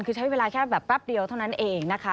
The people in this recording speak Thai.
คือใช้เวลาแค่แบบแป๊บเดียวเท่านั้นเองนะคะ